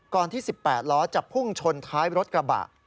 ก่อนที่๑๘ล้อจับพ่วงชนท้ายรถกระบะ